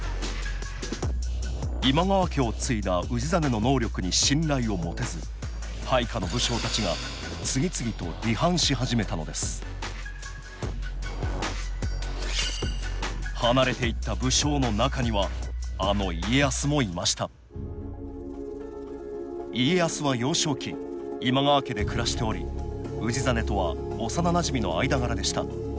今川家を継いだ氏真の能力に信頼を持てず配下の武将たちが次々と離反し始めたのです離れていった武将の中にはあの家康もいました家康は幼少期今川家で暮らしており氏真とは幼なじみの間柄でした。